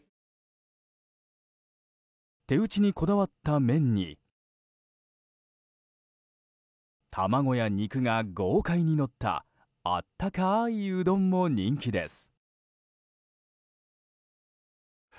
手打ちにこだわった麺に卵や肉が豪快にのった温かいうどんも人気です。